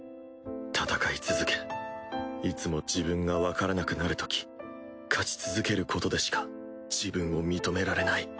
戦い続けいつも自分がわからなくなるとき勝ち続けることでしか自分を認められない。